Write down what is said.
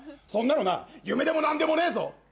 そんなのな夢でも何でもねえぞ。